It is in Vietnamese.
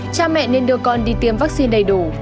cha mẹ nên đưa con đi tiêm vaccine đầy đủ